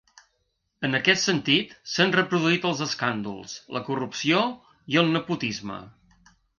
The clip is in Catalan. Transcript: En aquest sentit, s’han reproduït els escàndols, la corrupció i el nepotisme.